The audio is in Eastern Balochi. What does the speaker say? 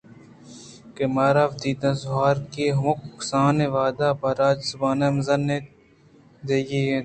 کہ مارا وتی دزھُورکی ءِ ھمُک کسانیں وھد پہ راجی زُبان ءِ ھزمت ءَ دیگی انت